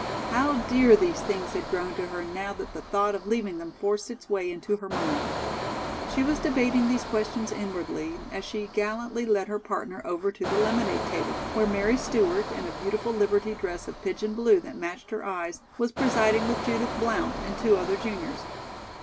How dear these things had grown to her now that the thought of leaving them forced its way into her mind! She was debating these questions inwardly, as she gallantly led her partner over to the lemonade table, where Mary Stewart, in a beautiful liberty dress of pigeon blue that matched her eyes, was presiding with Judith Blount and two other juniors.